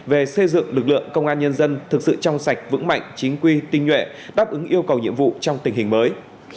về xây dựng lực lượng công an nhân dân thực sự trong sạch vững mạnh chính quy tinh nhuệ đáp ứng yêu cầu nhiệm vụ trong tình hình mới